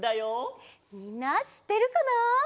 みんなしってるかな？